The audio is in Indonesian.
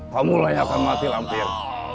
kamu lah yang akan mati lampir